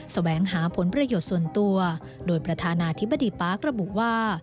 แสวงหาผลประโยชน์ส่วนตัวโดยประธานาธิบดีปาร์คระบุว่า